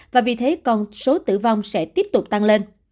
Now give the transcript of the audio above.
và vì thế con số tử vong sẽ tiếp tục tăng lên